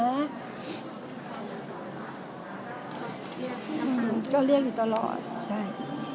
อืมก็เรียกอยู่ตลอดใช่